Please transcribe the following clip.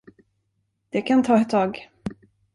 Det kan ta ett tag.